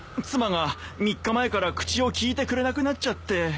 妻が３日前から口を利いてくれなくなっちゃって。